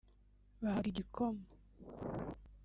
Bahabwa igikoma